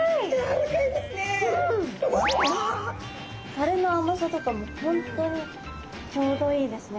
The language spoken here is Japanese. タレの甘さとかも本当にちょうどいいですね。